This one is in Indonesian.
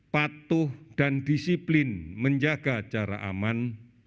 patuh dan disiplin menjaga cara aman